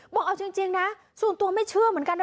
บอกเอาจริงนะส่วนตัวไม่เชื่อเหมือนกันนะ